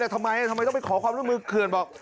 ทำไมต้องไปขอความร่วมมือเขื่อนบอก